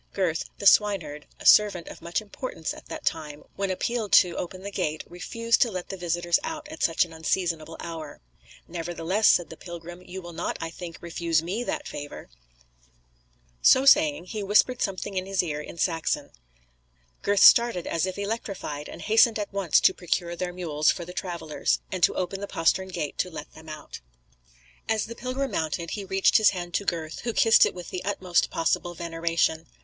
Gurth, the swineherd, a servant of much importance at that time, when appealed to open the gate, refused to let the visitors out at such an unseasonable hour. "Nevertheless," said the pilgrim, "you will not, I think, refuse me that favour." So saying, he whispered something in his ear in Saxon. Gurth started as if electrified, and hastened at once to procure their mules for the travellers, and to open the postern gate to let them out. As the pilgrim mounted, he reached his hand to Gurth, who kissed it with the utmost possible veneration.